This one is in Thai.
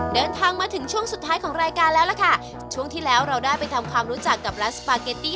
เดินทางมาถึงช่วงสุดท้ายของรายการแล้วล่ะค่ะช่วงที่แล้วเราได้ไปทำความรู้จักกับร้านสปาเกตตี้